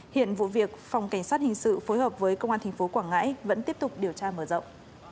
hiện vụ việc phòng cảnh sát hình sự phối hợp với công an tp quảng ngãi vẫn tiếp tục điều tra mở rộng